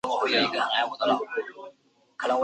主席为成海荣。